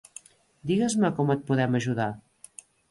Digues-me com et podem ajudar.